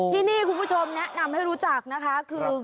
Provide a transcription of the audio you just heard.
ที่นี่คุณผู้ชมแนะนำให้รู้จักนะคะคือ